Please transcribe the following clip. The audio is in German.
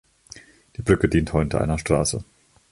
Die Brücke dient heute einer Straße.